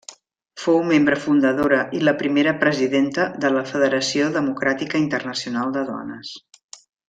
Fou membre fundadora i la primera presidenta de la Federació Democràtica Internacional de Dones.